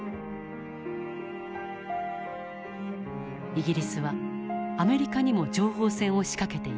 イギリスはアメリカにも情報戦を仕掛けていた。